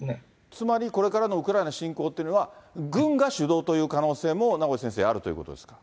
つまり、これからのウクライナ侵攻っていうのは、軍が主導という可能性も名越先生、あるということですか。